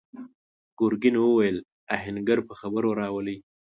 ګرګين وويل: آهنګر په خبرو راولئ!